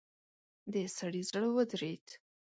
د سړي زړه ودرېد.